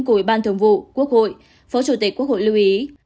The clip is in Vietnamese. của ủy ban thường vụ quốc hội phó chủ tịch quốc hội lưu ý